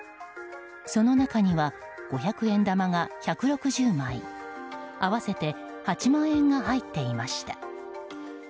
その中には、五百円玉が１６０枚合わせて８万円が入っていました。